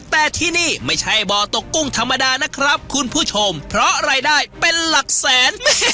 แต่ที่นี่ไม่ใช่บ่อตกกุ้งธรรมดานะครับคุณผู้ชมเพราะรายได้เป็นหลักแสน